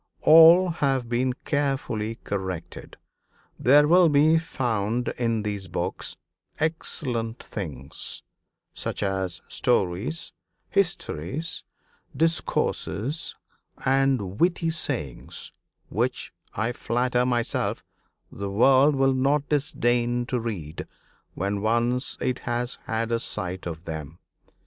All have been carefully corrected. There will be found in these books excellent things, such as stories, histories, discourses, and witty sayings, which I flatter myself the world will not disdain to read when once it has had a sight of them.